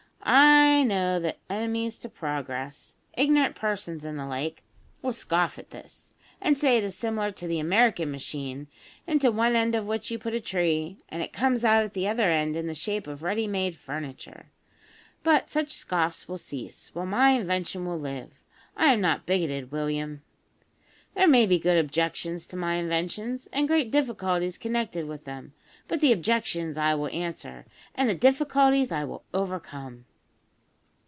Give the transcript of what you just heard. "I know that enemies to progress, ignorant persons and the like, will scoff at this, and say it is similar to the American machine, into one end of which you put a tree, and it comes out at the other end in the shape of ready made furniture. But such scoffs will cease, while my invention will live. I am not bigoted, William. There may be good objections to my inventions, and great difficulties connected with them, but the objections I will answer, and the difficulties I will overcome.